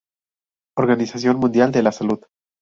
Organización Mundial de la Salud